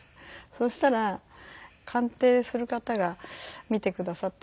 そうしたら鑑定する方が見てくださったんです